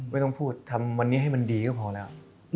ไม่ต้องพูดทำวันนี้ให้มันดีก็พอแล้ว